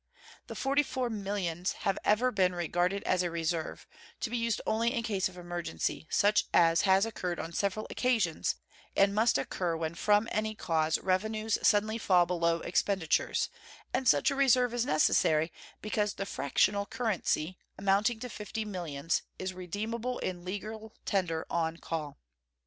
The forty four millions have ever been regarded as a reserve, to be used only in case of emergency, such as has occurred on several occasions, and must occur when from any cause revenues suddenly fall below expenditures; and such a reserve is necessary, because the fractional currency, amounting to fifty millions, is redeemable in legal tender on call.